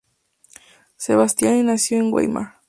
Sebastiani nació en Weimar.